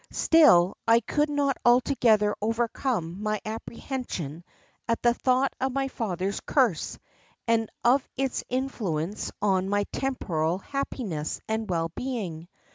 Still I could not altogether overcome my apprehension at the thought of my father's curse, and of its influence on my temporal happiness and well being.